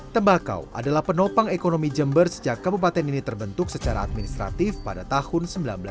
tembakau adalah penopang ekonomi jember sejak kabupaten ini terbentuk secara administratif pada tahun seribu sembilan ratus sembilan puluh